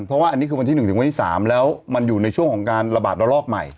เพราะว่าอันนี้คือวันที่๑ถึงวันที่๓แล้วมันอยู่ในช่วงของการระบาดระลอกใหม่